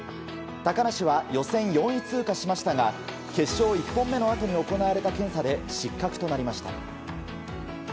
高梨は予選４位通過しましたが決勝１本目のあとに行われた検査で失格となりました。